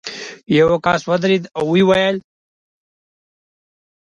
یو کس ودرېد او ویې ویل.